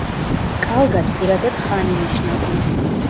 კალგას პირადად ხანი ნიშნავდა.